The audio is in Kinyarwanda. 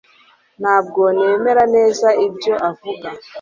ntabwo nemera neza ibyo avuga